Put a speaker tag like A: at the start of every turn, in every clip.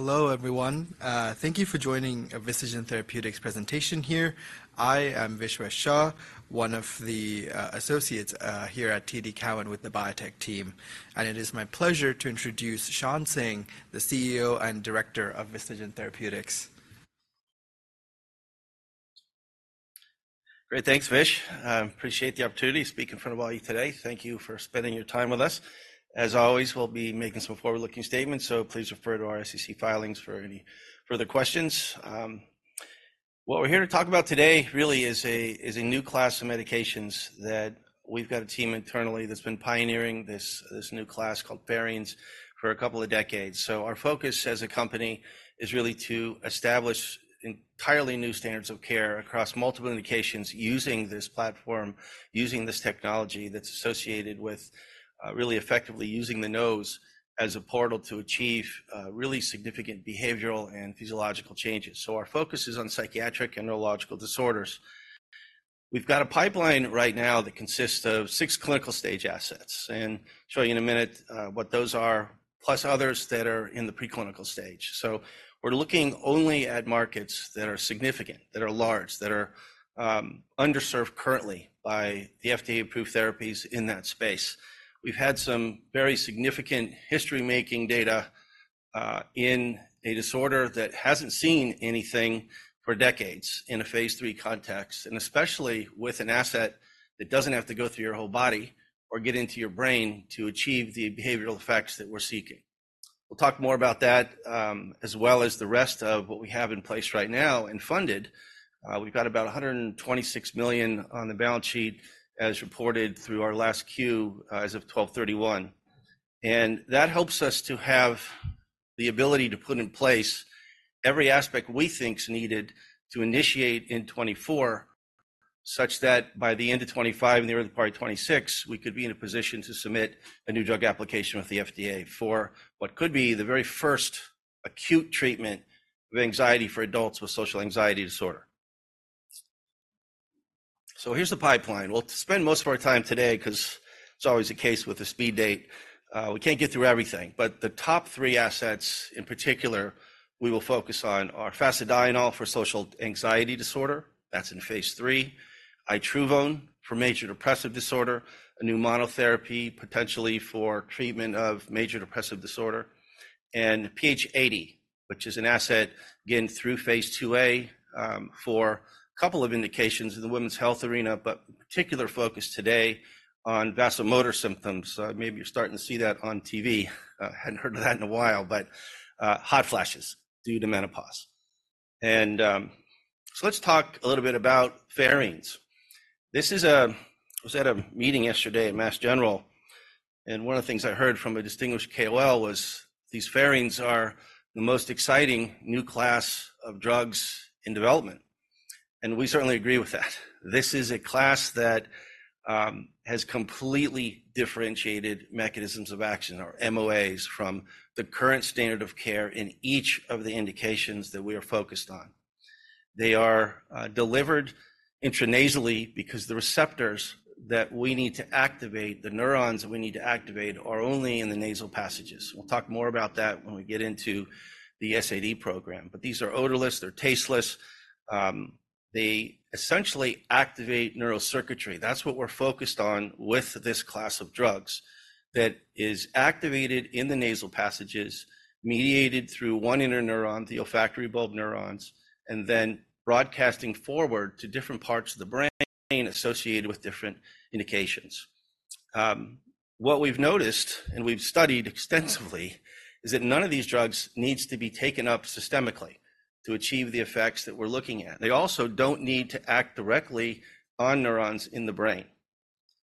A: Hello everyone, thank you for joining a Vistagen Therapeutics presentation here. I am Vishwa Shah, one of the associates here at TD Cowen with the biotech team, and it is my pleasure to introduce Shawn Singh, the CEO and Director of Vistagen Therapeutics.
B: Great, thanks, Vish. Appreciate the opportunity to speak in front of all you today. Thank you for spending your time with us. As always, we'll be making some forward-looking statements, so please refer to our SEC filings for any further questions. What we're here to talk about today really is a new class of medications that we've got a team internally that's been pioneering this, this new class called Pherines for a couple of decades. So our focus as a company is really to establish entirely new standards of care across multiple indications using this platform, using this technology that's associated with, really effectively using the nose as a portal to achieve, really significant behavioral and physiological changes. So our focus is on psychiatric and neurological disorders. We've got a pipeline right now that consists of 6 clinical stage assets, and I'll show you in a minute, what those are, plus others that are in the preclinical stage. So we're looking only at markets that are significant, that are large, that are, underserved currently by the FDA-approved therapies in that space. We've had some very significant history-making data, in a disorder that hasn't seen anything for decades in a phase 3 context, and especially with an asset that doesn't have to go through your whole body or get into your brain to achieve the behavioral effects that we're seeking. We'll talk more about that, as well as the rest of what we have in place right now and funded. We've got about $126 million on the balance sheet, as reported through our last Q, as of 12/31. And that helps us to have the ability to put in place every aspect we think's needed to initiate in 2024, such that by the end of 2025 and the early part of 2026, we could be in a position to submit a new drug application with the FDA for what could be the very first acute treatment of anxiety for adults with social anxiety disorder. So here's the pipeline. We'll spend most of our time today, 'cause it's always the case with the speed date, we can't get through everything, but the top three assets in particular we will focus on are fasedienol for social anxiety disorder, that's in phase 3, itruvone for major depressive disorder, a new monotherapy potentially for treatment of major depressive disorder, and PH80, which is an asset again through phase 2A, for a couple of indications in the women's health arena, but particular focus today on vasomotor symptoms. Maybe you're starting to see that on TV, hadn't heard of that in a while, but, hot flashes due to menopause. And, so let's talk a little bit about pherines. I was at a meeting yesterday at Mass General, and one of the things I heard from a distinguished KOL was these Pherines are the most exciting new class of drugs in development. And we certainly agree with that. This is a class that has completely differentiated mechanisms of action, or MOAs, from the current standard of care in each of the indications that we are focused on. They are delivered intranasally because the receptors that we need to activate, the neurons that we need to activate, are only in the nasal passages. We'll talk more about that when we get into the SAD program, but these are odorless, they're tasteless, they essentially activate neural circuitry. That's what we're focused on with this class of drugs, that is activated in the nasal passages, mediated through one interneuron, the olfactory bulb neurons, and then broadcasting forward to different parts of the brain associated with different indications. What we've noticed, and we've studied extensively, is that none of these drugs needs to be taken up systemically to achieve the effects that we're looking at. They also don't need to act directly on neurons in the brain.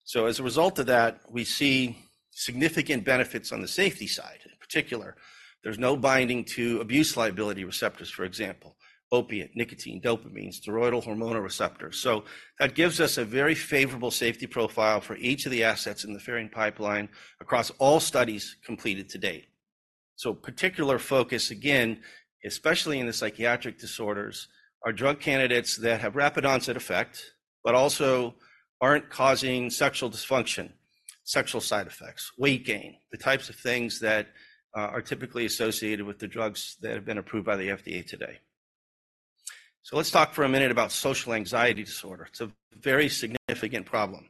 B: So as a result of that, we see significant benefits on the safety side, in particular. There's no binding to abuse liability receptors, for example, opiate, nicotine, dopamines, steroidal hormonal receptors. So that gives us a very favorable safety profile for each of the assets in the Pherine pipeline across all studies completed to date. So particular focus, again, especially in the psychiatric disorders, are drug candidates that have rapid onset effect, but also aren't causing sexual dysfunction, sexual side effects, weight gain, the types of things that are typically associated with the drugs that have been approved by the FDA today. So let's talk for a minute about Social Anxiety Disorder. It's a very significant problem,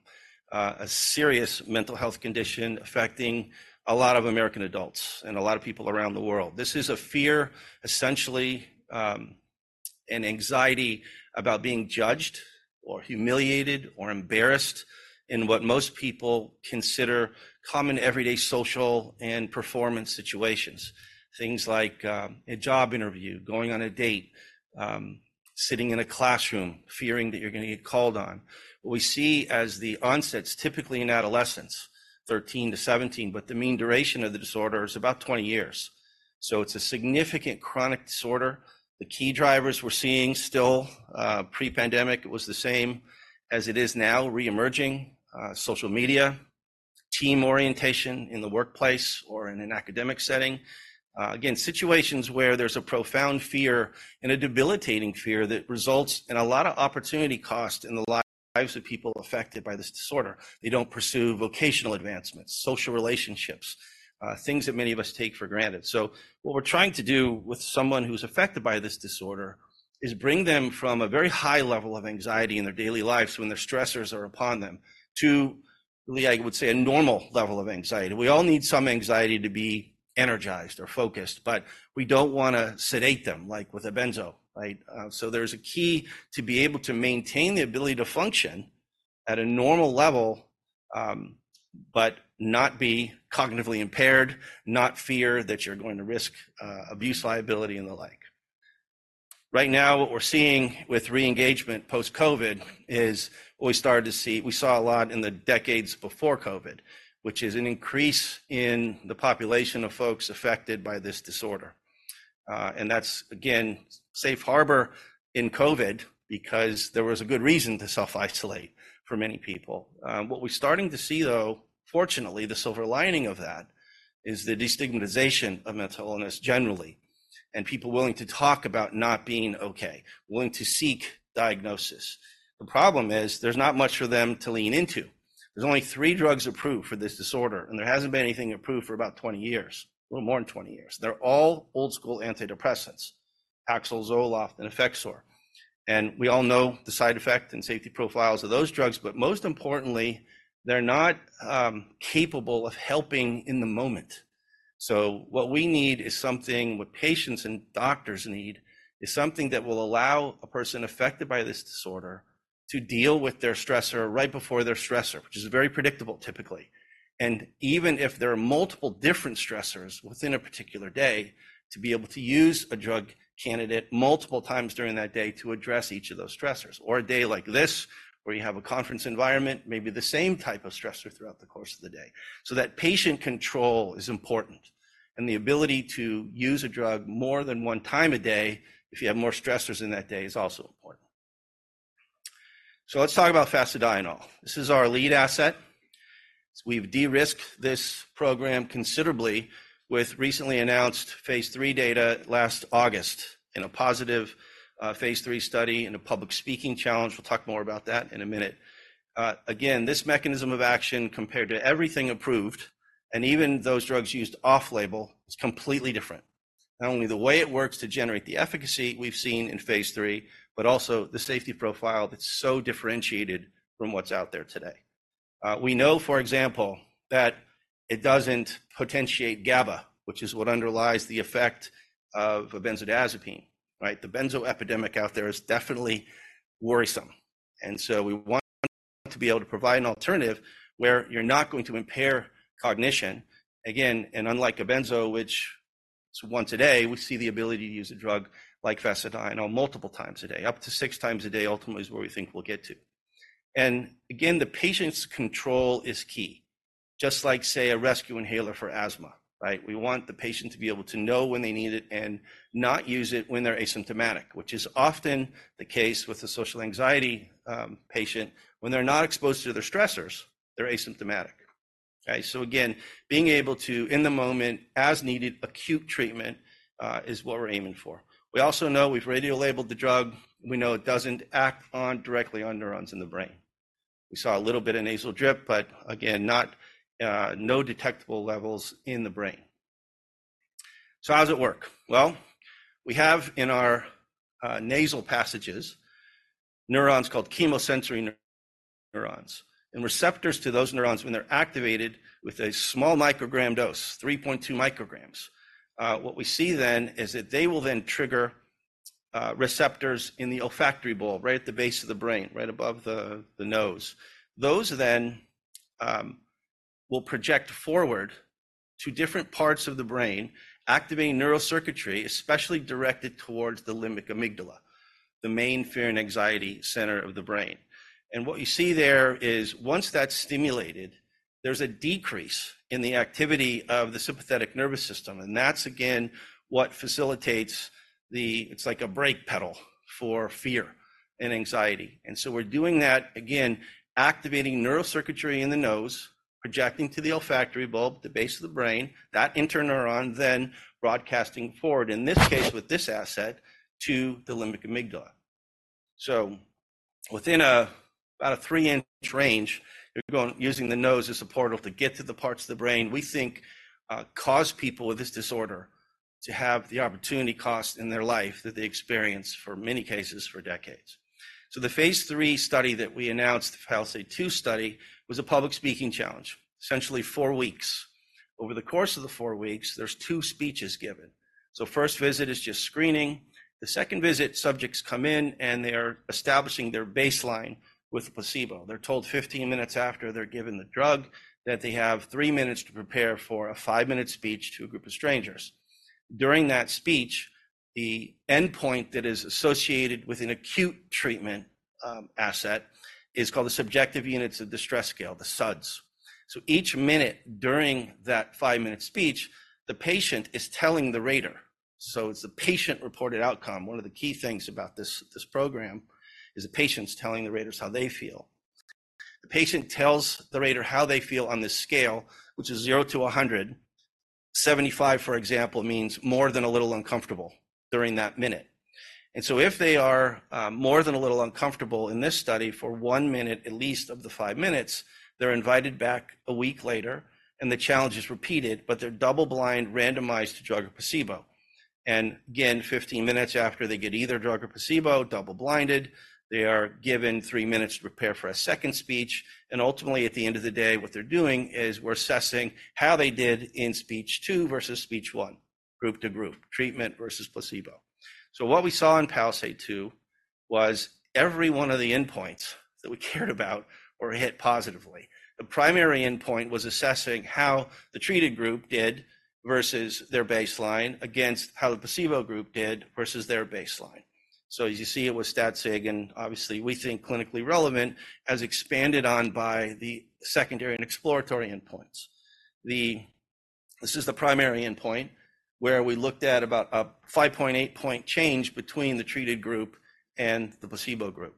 B: a serious mental health condition affecting a lot of American adults and a lot of people around the world. This is a fear, essentially, and anxiety about being judged or humiliated or embarrassed in what most people consider common everyday social and performance situations. Things like a job interview, going on a date, sitting in a classroom, fearing that you're going to get called on. What we see as the onset's typically in adolescence, 13-17, but the mean duration of the disorder is about 20 years. So it's a significant chronic disorder. The key drivers we're seeing still, pre-pandemic, it was the same as it is now, reemerging, social media, team orientation in the workplace or in an academic setting. Again, situations where there's a profound fear and a debilitating fear that results in a lot of opportunity cost in the lives of people affected by this disorder. They don't pursue vocational advancements, social relationships, things that many of us take for granted. So what we're trying to do with someone who's affected by this disorder is bring them from a very high level of anxiety in their daily lives, when their stressors are upon them, to really, I would say, a normal level of anxiety. We all need some anxiety to be energized or focused, but we don't want to sedate them, like with a benzo, right? So there's a key to be able to maintain the ability to function at a normal level, but not be cognitively impaired, not fear that you're going to risk, abuse liability and the like. Right now, what we're seeing with reengagement post-COVID is what we started to see we saw a lot in the decades before COVID, which is an increase in the population of folks affected by this disorder. And that's, again, safe harbor in COVID because there was a good reason to self-isolate for many people. What we're starting to see, though, fortunately, the silver lining of that is the destigmatization of mental illness generally, and people willing to talk about not being okay, willing to seek diagnosis. The problem is there's not much for them to lean into. There's only three drugs approved for this disorder, and there hasn't been anything approved for about 20 years, a little more than 20 years. They're all old-school antidepressants, Paxil, Zoloft, and Effexor. And we all know the side effect and safety profiles of those drugs, but most importantly, they're not capable of helping in the moment. So what we need is something what patients and doctors need is something that will allow a person affected by this disorder to deal with their stressor right before their stressor, which is very predictable, typically. And even if there are multiple different stressors within a particular day, to be able to use a drug candidate multiple times during that day to address each of those stressors, or a day like this where you have a conference environment, maybe the same type of stressor throughout the course of the day. So that patient control is important, and the ability to use a drug more than one time a day if you have more stressors in that day is also important. So let's talk about fasedienol. This is our lead asset. We've de-risked this program considerably with recently announced phase 3 data last August and a positive phase 3 study and a public speaking challenge. We'll talk more about that in a minute. Again, this mechanism of action compared to everything approved, and even those drugs used off-label, is completely different. Not only the way it works to generate the efficacy we've seen in phase 3, but also the safety profile that's so differentiated from what's out there today. We know, for example, that it doesn't potentiate GABA, which is what underlies the effect of a benzodiazepine, right? The benzo epidemic out there is definitely worrisome. And so we want to be able to provide an alternative where you're not going to impair cognition. Again, and unlike a benzo, which it's once a day, we see the ability to use a drug like fasedienol multiple times a day, up to 6 times a day ultimately is where we think we'll get to. And again, the patient's control is key, just like, say, a rescue inhaler for asthma, right? We want the patient to be able to know when they need it and not use it when they're asymptomatic, which is often the case with a social anxiety patient. When they're not exposed to their stressors, they're asymptomatic. Okay? So again, being able to, in the moment, as needed, acute treatment, is what we're aiming for. We also know we've radiolabeled the drug. We know it doesn't act on directly on neurons in the brain. We saw a little bit of nasal drip, but again, not no detectable levels in the brain. So how does it work? Well, we have in our nasal passages neurons called chemosensory neurons and receptors to those neurons when they're activated with a small microgram dose, 3.2 micrograms. What we see then is that they will then trigger receptors in the olfactory bulb, right at the base of the brain, right above the nose. Those then will project forward to different parts of the brain, activating neural circuitry, especially directed towards the limbic amygdala, the main fear and anxiety center of the brain. And what you see there is once that's stimulated, there's a decrease in the activity of the sympathetic nervous system, and that's again what facilitates it. It's like a brake pedal for fear and anxiety. And so we're doing that, again, activating neural circuitry in the nose, projecting to the olfactory bulb, the base of the brain, that interneuron, then broadcasting forward, in this case with this asset, to the limbic amygdala. So within about a 3-inch range, you're going using the nose as a portal to get to the parts of the brain we think cause people with this disorder to have the opportunity cost in their life that they experience for many cases, for decades. So the phase 3 study that we announced, the PALISADE-2 study, was a public speaking challenge, essentially 4 weeks. Over the course of the 4 weeks, there's 2 speeches given. So first visit is just screening. The second visit, subjects come in and they're establishing their baseline with a placebo. They're told 15 minutes after they're given the drug that they have 3 minutes to prepare for a 5-minute speech to a group of strangers. During that speech, the endpoint that is associated with an acute treatment asset is called the Subjective Units of Distress Scale, the SUDS. So each minute during that 5-minute speech, the patient is telling the rater. So it's the patient-reported outcome. One of the key things about this program is the patient's telling the raters how they feel. The patient tells the rater how they feel on this scale, which is 0 to 100. 75, for example, means more than a little uncomfortable during that minute. And so if they are more than a little uncomfortable in this study for 1 minute at least of the 5 minutes, they're invited back a week later and the challenge is repeated, but they're double-blind, randomized to drug or placebo. And again, 15 minutes after they get either drug or placebo, double-blinded, they are given 3 minutes to prepare for a second speech. And ultimately, at the end of the day, what they're doing is we're assessing how they did in speech 2 versus speech 1, group to group, treatment versus placebo. So what we saw in PALISADE 2 was every one of the endpoints that we cared about were hit positively. The primary endpoint was assessing how the treated group did versus their baseline against how the placebo group did versus their baseline. So, as you see, it was stat sig, and obviously we think clinically relevant, has expanded on by the secondary and exploratory endpoints. This is the primary endpoint where we looked at about a 5.8-point change between the treated group and the placebo group.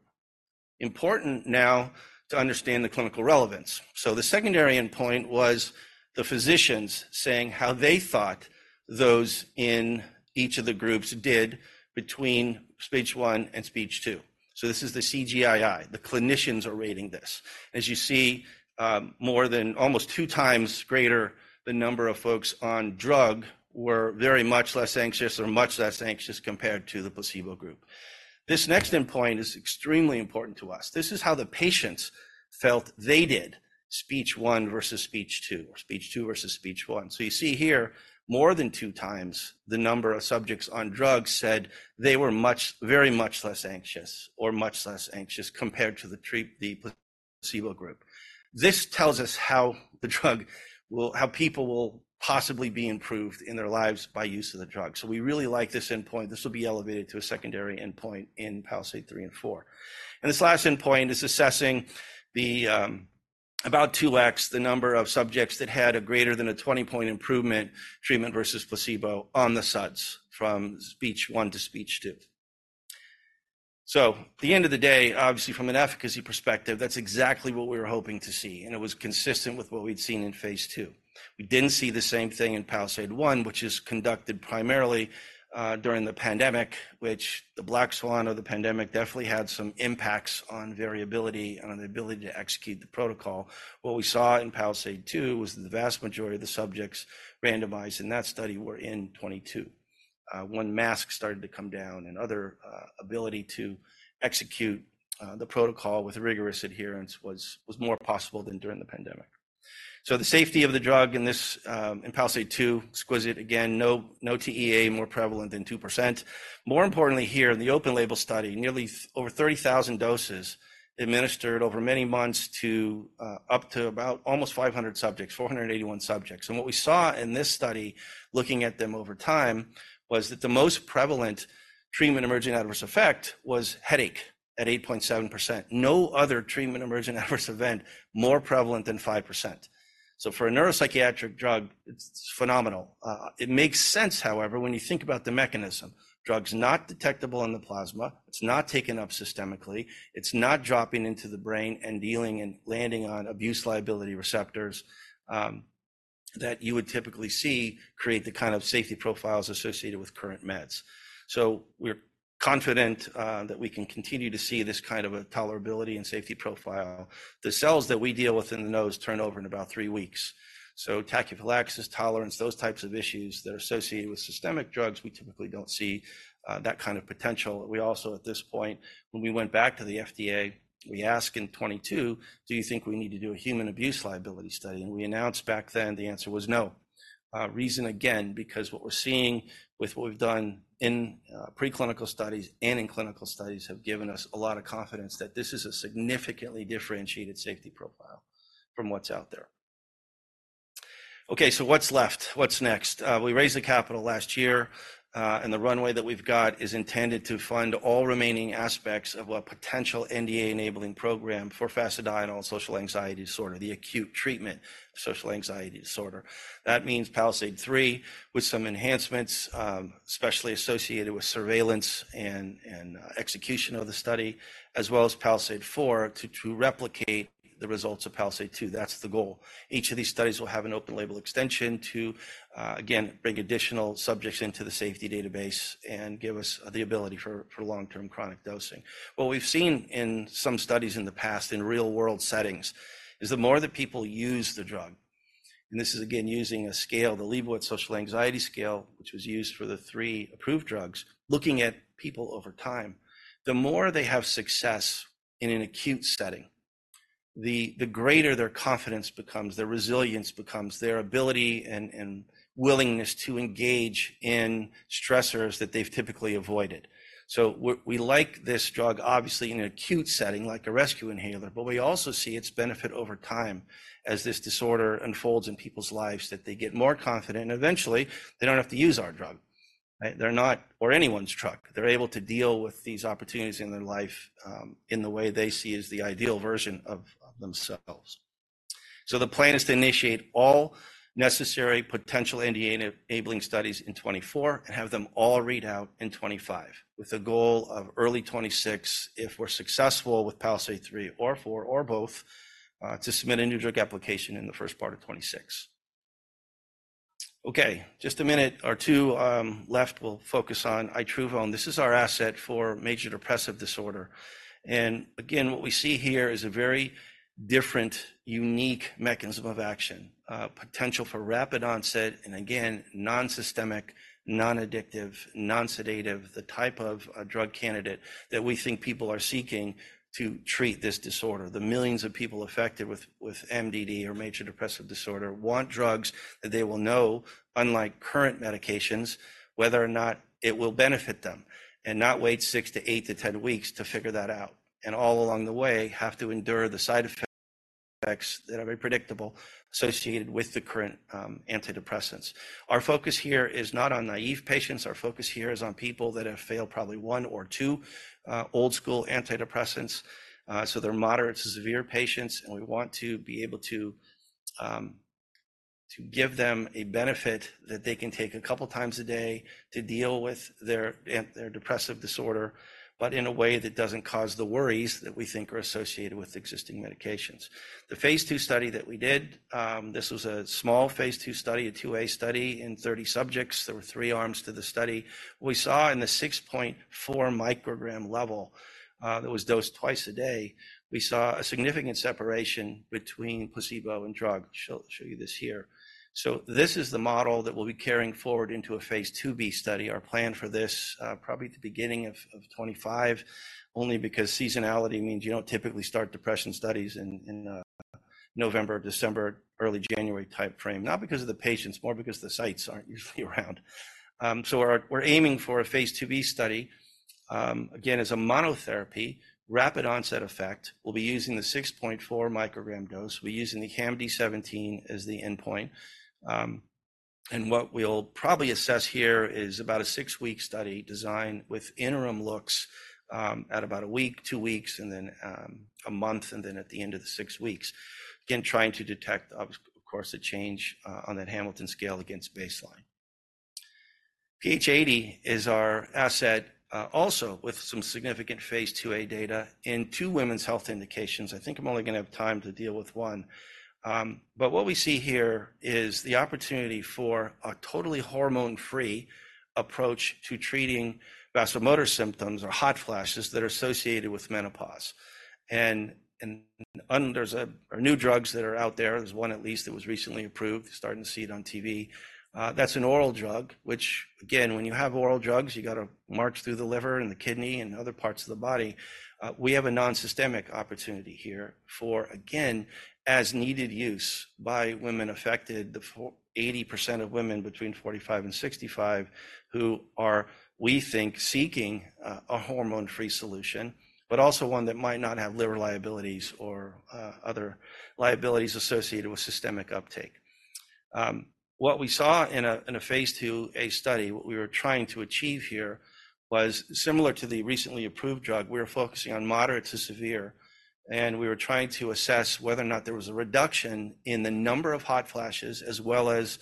B: Important now to understand the clinical relevance. So the secondary endpoint was the physicians saying how they thought those in each of the groups did between speech one and speech two. So this is the CGI-I; the clinicians are rating this. As you see, more than almost two times greater the number of folks on drug were very much less anxious or much less anxious compared to the placebo group. This next endpoint is extremely important to us. This is how the patients felt they did speech one versus speech two, or speech two versus speech one. So you see here, more than two times, the number of subjects on drug said they were much very much less anxious or much less anxious compared to the treat the placebo group. This tells us how the drug will how people will possibly be improved in their lives by use of the drug. So we really like this endpoint. This will be elevated to a secondary endpoint in PALISADE three and four. And this last endpoint is assessing the, about 2x, the number of subjects that had a greater than a 20-point improvement treatment versus placebo on the SUDS from speech one to speech two. So at the end of the day, obviously, from an efficacy perspective, that's exactly what we were hoping to see, and it was consistent with what we'd seen in phase two. We didn't see the same thing in PALISADE-1, which was conducted primarily during the pandemic, which the black swan of the pandemic definitely had some impacts on variability and on the ability to execute the protocol. What we saw in PALISADE-2 was that the vast majority of the subjects randomized in that study were in 2022, when masks started to come down and other ability to execute the protocol with rigorous adherence was more possible than during the pandemic. So the safety of the drug in this, in PALISADE-2, was exquisite, again, no TEA more prevalent than 2%. More importantly, here in the open-label study, nearly over 30,000 doses administered over many months to up to about almost 500 subjects, 481 subjects. And what we saw in this study, looking at them over time, was that the most prevalent treatment emergent adverse effect was headache at 8.7%. No other treatment emergent adverse event more prevalent than 5%. So for a neuropsychiatric drug, it's phenomenal. It makes sense, however, when you think about the mechanism, drug's not detectable in the plasma, it's not taken up systemically, it's not dropping into the brain and dealing and landing on abuse liability receptors, that you would typically see create the kind of safety profiles associated with current meds. So we're confident, that we can continue to see this kind of a tolerability and safety profile. The cells that we deal with in the nose turn over in about three weeks. So tachyphylaxis, tolerance, those types of issues that are associated with systemic drugs, we typically don't see, that kind of potential. We also, at this point, when we went back to the FDA, we asked in 2022, do you think we need to do a human abuse liability study? And we announced back then the answer was no. The reason, again, because what we're seeing with what we've done in preclinical studies and in clinical studies have given us a lot of confidence that this is a significantly differentiated safety profile from what's out there. Okay, so what's left? What's next? We raised the capital last year, and the runway that we've got is intended to fund all remaining aspects of a potential NDA-enabling program for Fasedienol social anxiety disorder, the acute treatment of social anxiety disorder. That means PALISADE-3, with some enhancements, especially associated with surveillance and execution of the study, as well as PALISADE-4 to replicate the results of PALISADE-2. That's the goal. Each of these studies will have an open-label extension to, again, bring additional subjects into the safety database and give us the ability for long-term chronic dosing. What we've seen in some studies in the past in real-world settings is the more that people use the drug, and this is again using a scale, the Liebowitz Social Anxiety Scale, which was used for the three approved drugs, looking at people over time, the more they have success in an acute setting, the greater their confidence becomes, their resilience becomes, their ability and willingness to engage in stressors that they've typically avoided. So we like this drug, obviously, in an acute setting like a rescue inhaler, but we also see its benefit over time as this disorder unfolds in people's lives that they get more confident and eventually they don't have to use our drug. Right? They're not or anyone's truck. They're able to deal with these opportunities in their life, in the way they see is the ideal version of themselves. So the plan is to initiate all necessary potential NDA-enabling studies in 2024 and have them all read out in 2025, with the goal of early 2026, if we're successful with PALISADE three or four or both, to submit a new drug application in the first part of 2026. Okay, just a minute or two left, we'll focus on Itruvone. This is our asset for major depressive disorder. And again, what we see here is a very different, unique mechanism of action, potential for rapid onset and again, non-systemic, non-addictive, non-sedative, the type of a drug candidate that we think people are seeking to treat this disorder. The millions of people affected with MDD or major depressive disorder want drugs that they will know, unlike current medications, whether or not it will benefit them and not wait 6 to 8 to 10 weeks to figure that out and all along the way have to endure the side effects that are very predictable associated with the current antidepressants. Our focus here is not on naive patients. Our focus here is on people that have failed probably 1 or 2 old-school antidepressants. So they're moderate to severe patients and we want to be able to give them a benefit that they can take a couple times a day to deal with their depressive disorder, but in a way that doesn't cause the worries that we think are associated with existing medications. The phase 2 study that we did, this was a small phase 2 study, a 2A study in 30 subjects. There were three arms to the study. What we saw in the 6.4 microgram level, that was dosed twice a day, we saw a significant separation between placebo and drug. I'll show you this here. So this is the model that we'll be carrying forward into a phase 2B study, our plan for this, probably at the beginning of 2025, only because seasonality means you don't typically start depression studies in November, December, early January type frame, not because of the patients, more because the sites aren't usually around. So we're aiming for a phase 2B study, again, as a monotherapy, rapid onset effect. We'll be using the 6.4 microgram dose. We're using the HAM-D17 as the endpoint. What we'll probably assess here is about a 6-week study designed with interim looks at about a week, 2 weeks, and then a month, and then at the end of the 6 weeks, again trying to detect, of course, the change on that Hamilton scale against baseline. PH80 is our asset, also with some significant phase 2A data in two women's health indications. I think I'm only going to have time to deal with one. What we see here is the opportunity for a totally hormone-free approach to treating vasomotor symptoms or hot flashes that are associated with menopause. And and under there's a new drugs that are out there. There's one at least that was recently approved, starting to see it on TV. That's an oral drug, which again, when you have oral drugs, you got to march through the liver and the kidney and other parts of the body. We have a non-systemic opportunity here for, again, as needed use by women affected, the 80% of women between 45 and 65 who are, we think, seeking a hormone-free solution, but also one that might not have liver liabilities or other liabilities associated with systemic uptake. What we saw in a phase 2A study, what we were trying to achieve here was similar to the recently approved drug. We were focusing on moderate to severe. And we were trying to assess whether or not there was a reduction in the number of hot flashes as well as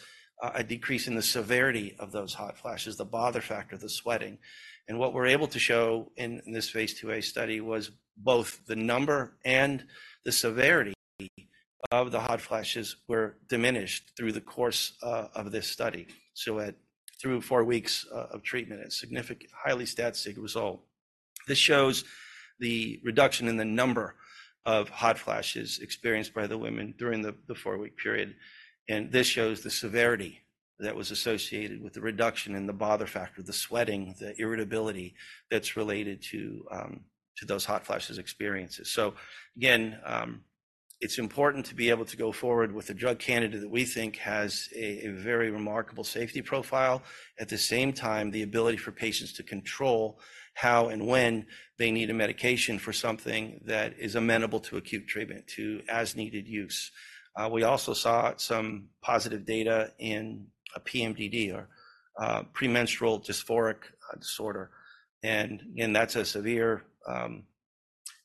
B: a decrease in the severity of those hot flashes, the bother factor, the sweating. What we're able to show in this phase 2A study was both the number and the severity of the hot flashes were diminished through the course of this study. At through four weeks of treatment, a significant, highly statistical result. This shows the reduction in the number of hot flashes experienced by the women during the the four-week period. And this shows the severity that was associated with the reduction in the bother factor, the sweating, the irritability that's related to, to those hot flashes experiences. Again, it's important to be able to go forward with a drug candidate that we think has a very remarkable safety profile. At the same time, the ability for patients to control how and when they need a medication for something that is amenable to acute treatment, to as-needed use. We also saw some positive data in a PMDD or premenstrual dysphoric disorder. And again, that's a severe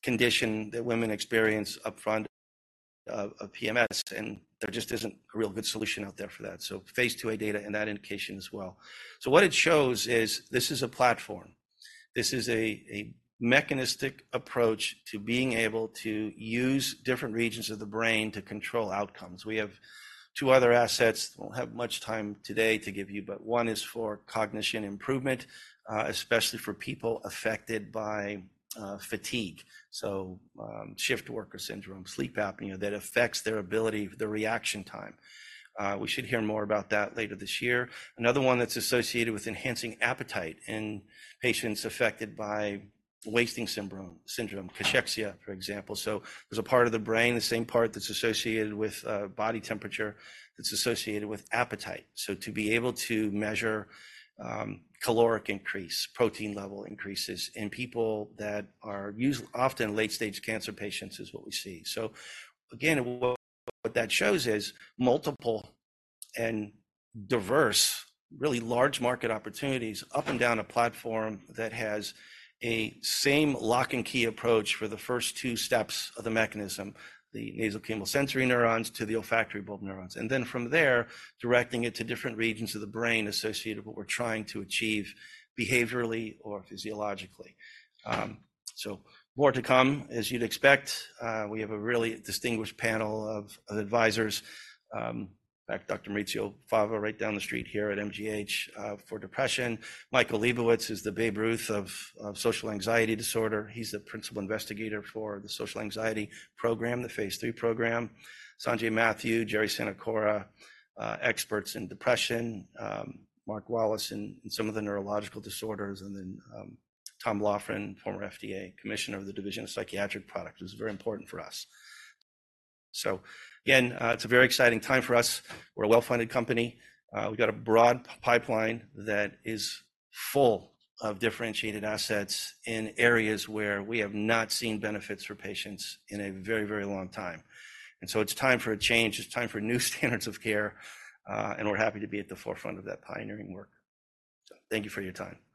B: condition that women experience upfront of PMS, and there just isn't a real good solution out there for that. So phase 2A data in that indication as well. So what it shows is this is a platform. This is a mechanistic approach to being able to use different regions of the brain to control outcomes. We have two other assets. We'll have much time today to give you, but one is for cognition improvement, especially for people affected by fatigue. So shift worker syndrome, sleep apnea that affects their ability, the reaction time. We should hear more about that later this year. Another one that's associated with enhancing appetite in patients affected by wasting syndrome, cachexia, for example. So there's a part of the brain, the same part that's associated with body temperature that's associated with appetite. So to be able to measure caloric increase, protein level increases in people that are used often late-stage cancer patients is what we see. So again, what that shows is multiple and diverse, really large market opportunities up and down a platform that has a same lock and key approach for the first two steps of the mechanism, the chemosensory neurons to the olfactory bulb neurons. And then from there, directing it to different regions of the brain associated with what we're trying to achieve behaviorally or physiologically. So more to come as you'd expect. We have a really distinguished panel of advisors. In fact, Dr. Maurizio Fava right down the street here at MGH, for depression. Michael Liebowitz is the Babe Ruth of social anxiety disorder. He's the principal investigator for the social anxiety program, the phase 3 program. Sanjay Mathew, Jerrold Rosenbaum, experts in depression, Mark Wallace in some of the neurological disorders, and then, Thomas Laughren, former FDA commissioner of the Division of Psychiatric Products, was very important for us. So again, it's a very exciting time for us. We're a well-funded company. We've got a broad pipeline that is full of differentiated assets in areas where we have not seen benefits for patients in a very, very long time. So it's time for a change. It's time for new standards of care. We're happy to be at the forefront of that pioneering work. So thank you for your time.